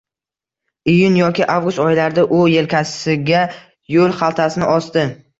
Iyun yoki avgust oylarida u yelkasiga yoʻlxaltasini osdi.